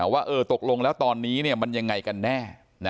ว่าตกลงแล้วตอนนี้มันยังไงกันแน่